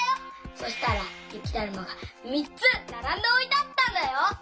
そしたらゆきだるまがみっつならんでおいてあったんだよ。